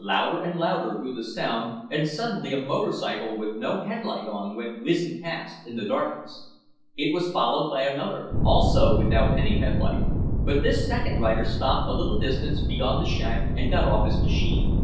Louder and louder grew the sound and suddenly a motorcycle with no headlight went whizzing past in the darkness. It was followed by another, also without any headlight, but this second rider stopped a little distance beyond the shack and got off his machine.